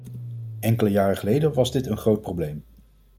Enkele jaren geleden was dit een groot probleem.